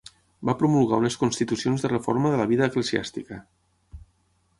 Va promulgar unes constitucions de reforma de la vida eclesiàstica.